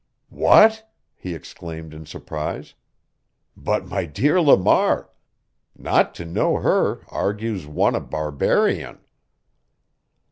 "What?" he exclaimed in surprise. "But my dear Lamar, not to know her argues one a barbarian."